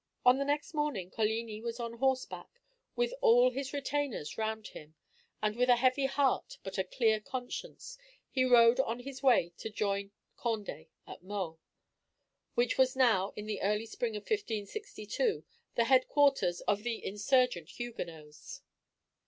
On the next morning Coligni was on horseback, with all his retainers round him; and with a heavy heart but a clear conscience, he rode on his way to join Condé at Meaux, which was now, in the early spring of 1562, the head quarters of the insurgent Huguenots.